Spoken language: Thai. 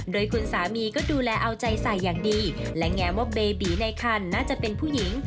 โดยคุณสามีก็ดูแลเอาใจใส่อย่างดีและแง้มว่าเบบีในคันน่าจะเป็นผู้หญิง